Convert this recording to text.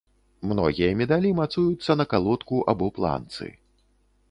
Многія медалі мацуюцца на калодку або планцы.